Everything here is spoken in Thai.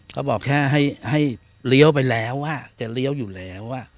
ก็บอกแค่ให้เลี้ยวไปแล้วจะเลี้ยวอยู่แล้ว